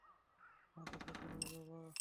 আমাদের যেতে হবে, বাবা।